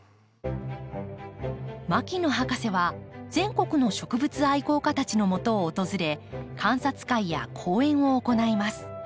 牧野博士は全国の植物愛好家たちのもとを訪れ観察会や講演を行います。